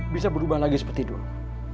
bisa berubah lagi seperti dulu